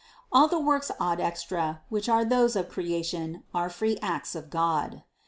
All the works ad extra, which are those of Creation, are free acts of God.